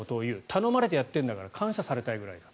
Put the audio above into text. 頼まれてやっているんだから感謝されたいぐらいだ。